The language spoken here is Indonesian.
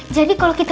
jadi kalau kita